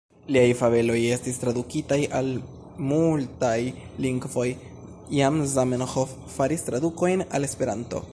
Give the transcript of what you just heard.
Liaj fabeloj estis tradukitaj al multaj lingvoj; jam Zamenhof faris tradukojn al Esperanto.